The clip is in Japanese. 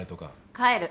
帰る。